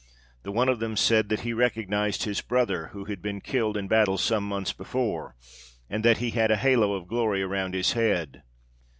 The one of them said, that he recognised his brother, who had been killed in battle some months before, and that he had a halo of glory around his head.